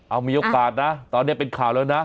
เอามีโอกาสนะตอนนี้เป็นข่าวแล้วนะ